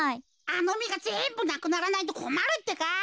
あのみがぜんぶなくならないとこまるってか。